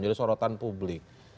jadi sorotan publik